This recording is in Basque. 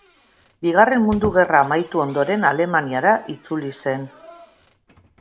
Bigarren Mundu Gerra amaitu ondoren, Alemaniara itzuli zen.